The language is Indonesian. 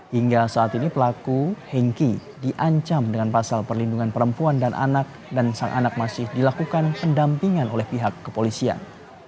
hingga saat ini pelaku hengki diancam dengan pasal perlindungan perempuan dan anak dan sang anak masih dilakukan pendampingan oleh pihak kepolisian